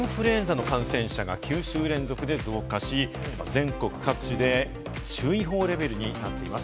インフルエンザの感染者が９週連続で増加し、全国各地で注意報レベルになっています。